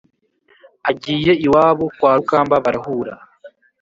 agiye iwabo kwa rukamba barahura